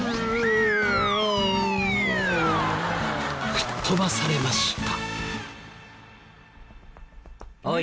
吹っ飛ばされました。